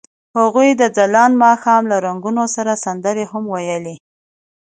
هغوی د ځلانده ماښام له رنګونو سره سندرې هم ویلې.